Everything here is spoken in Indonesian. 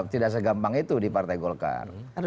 tidak segampang itu di partai golkar